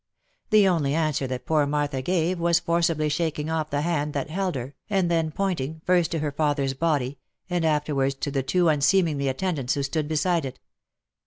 The only answer that poor Martha gave, was forcibly shaking off the hand that held" her, and then pointing , first to her father's body, and afterwards to the two unseemly attend ants who stood beside it.